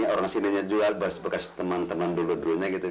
orang sini nya juga bekas temen temen dulu dulu